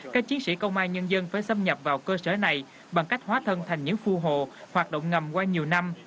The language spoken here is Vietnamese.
các chiến sĩ công an nhân dân phải xâm nhập vào cơ sở này bằng cách hóa thân thành những khu hồ hoạt động ngầm qua nhiều năm